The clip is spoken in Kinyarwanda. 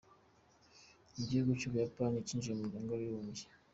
Igihugu cy’ubuyapani cyinjiye mu muryango w’abibumbye.